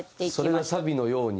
それが「サビのように」？